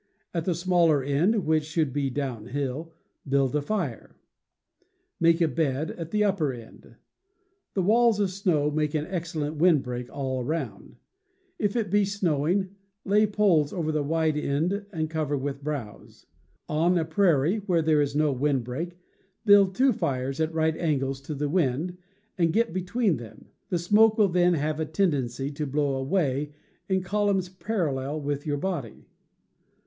At the smaller end, which should be downhill, build the fire. Make a bed at the upper end. The walls of snow make an excellent wind break all around. If it be snowing, lay poles over the wide end and cover with browse. On a prairie where there is no wind break, build two fires at right angles to the wind, and get between them. The smoke will then have a tendency to blow away in columns parallel with your body.